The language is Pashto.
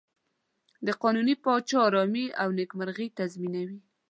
د قانوني پاچا آرامي او نېکمرغي تضمینوي.